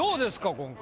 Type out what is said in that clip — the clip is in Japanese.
今回。